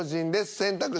選択肢